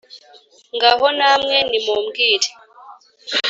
ngaho namwe nimumbwire